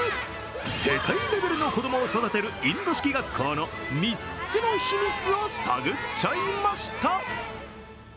世界レベルの子供を育てるインド式学校の３つの秘密を探っちゃいました。